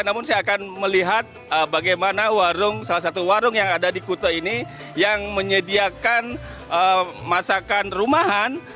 namun saya akan melihat bagaimana salah satu warung yang ada di kuta ini yang menyediakan masakan rumahan